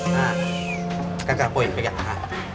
nah kakak kue pegang